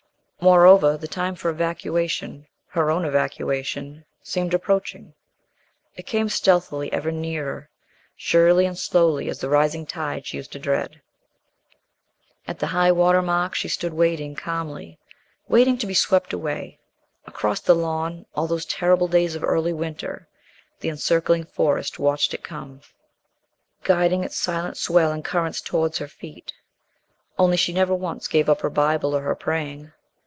Moreover, the time for evacuation her own evacuation seemed approaching. It came stealthily ever nearer, surely and slowly as the rising tide she used to dread. At the high water mark she stood waiting calmly waiting to be swept away. Across the lawn all those terrible days of early winter the encircling Forest watched it come, guiding its silent swell and currents towards her feet. Only she never once gave up her Bible or her praying.